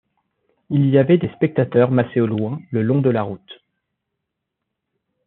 Il y avait des spectateurs, massés au loin, le long de la route.